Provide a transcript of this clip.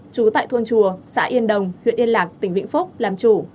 trú tại thôn chùa xã yên đồng huyện yên lạc tỉnh vĩnh phúc làm chủ